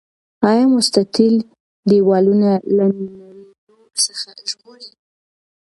آیا مستطیل دیوالونه له نړیدو څخه ژغوري؟